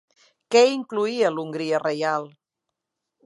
Què incloïa l'Hongria Reial?